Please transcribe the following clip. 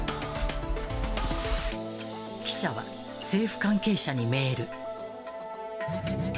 記者は政府関係者にメール。